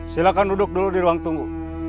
silahkan duduk dulu di ruang tunggu